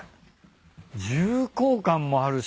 重厚感もあるし。